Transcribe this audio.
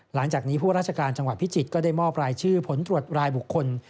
หลังจากนี้ผู้ราชการจังหวัดพิจิตรก็ได้มอบรายชื่อผลตรวจรายบุคคล